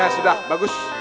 ya sudah bagus